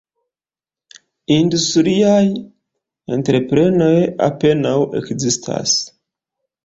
Industriaj entreprenoj apenaŭ ekzistas.